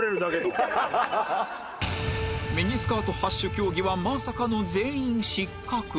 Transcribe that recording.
ミニスカート８種競技はまさかの全員失格